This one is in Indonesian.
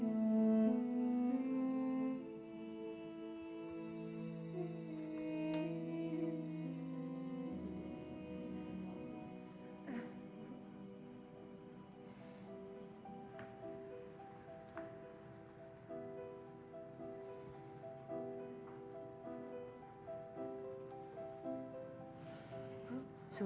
kami ini berjanji bu